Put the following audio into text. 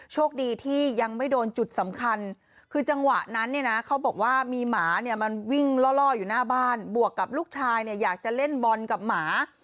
โชคดีที่ยังไม่โดนจุดสำคัญคือจังหวะนั้นเนี่ยนะเขาบอกว่ามีหมาเนี่ยมันวิ่งล่ออยู่หน้าบ้านบวกกับลูกชายเนี่ยอยากจะเล่นบอลกับหมา